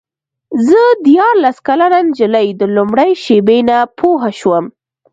زه دیارلس کلنه نجلۍ د لومړۍ شېبې نه پوه شوم.